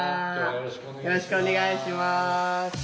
よろしくお願いします。